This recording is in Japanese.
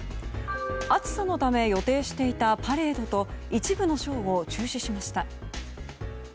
暑さのため予定していたパレードと一部のショーを中止しました。